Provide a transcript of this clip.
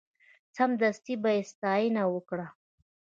سمدستي به یې ستاینه وکړه.